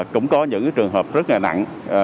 cũng có những trường hợp rất là nặng